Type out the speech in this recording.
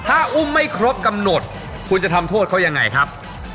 ถ้าอุ้มไม่ครบกำหนดคุณจะทำโทษเขายังไงครับ